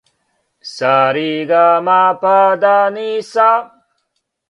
са ри га ма па да ни са